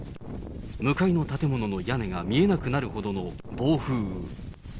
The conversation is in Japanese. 向かいの建物の屋根が見えなくなるほどの暴風雨。